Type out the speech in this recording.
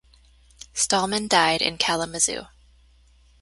Stallman died in Kalamazoo.